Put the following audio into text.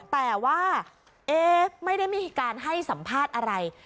แต่ว่าไม่ได้มีการให้สัมภาษณ์อะไร